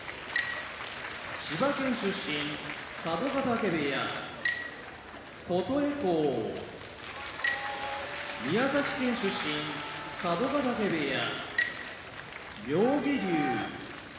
千葉県出身佐渡ヶ嶽部屋琴恵光宮崎県出身佐渡ヶ嶽部屋妙義龍